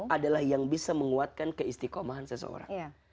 adalah yang bisa menguatkan keistikomahan seseorang